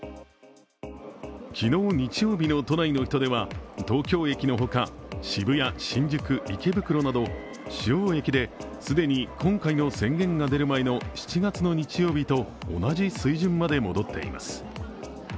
昨日、日曜日の都内の人出は東京駅の他、渋谷、新宿、池袋など主要駅で既今回の宣言が出る前の７月の日曜日と同じ水準まで戻っています。